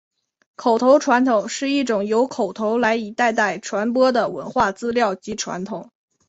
口头传统是一种由口头来一代代传播的文化资料及传统。